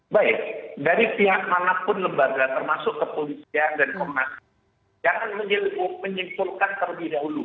baik dari pihak manapun lembaga termasuk kepolisian dan komnas jangan menyimpulkan terlebih dahulu